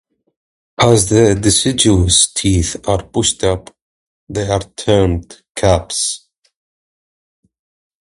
As the deciduous teeth are pushed up, they are termed "caps".